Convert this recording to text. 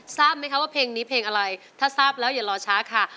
ทราบไหมคะว่าเพลงนี้เพลงอะไรถ้าทราบแล้วอย่ารอช้าค่ะ